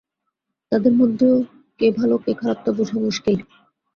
তাদের মধ্যেও কে ভালো কে খারাপ তা বোঝা মুশকিল।